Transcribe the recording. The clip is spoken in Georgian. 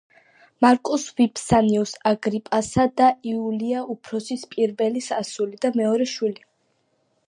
მარკუს ვიფსანიუს აგრიპასა და იულია უფროსის პირველი ასული და მეორე შვილი.